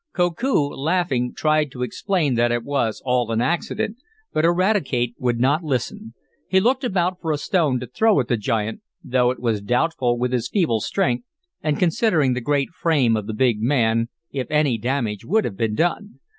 Koku, laughing, tried to explain that it was all an accident, but Eradicate would not listen. He looked about for a stone to throw at the giant, though it was doubtful, with his feeble strength, and considering the great frame of the big man, if any damage would have been done.